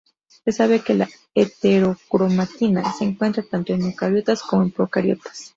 Se sabe que la heterocromatina, se encuentra tanto en eucariotas como en procariotas.